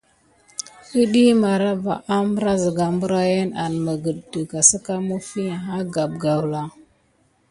Iɗiy màrava ambra zəga mbrayin an məget dəga səka məfiga ha gape gawla.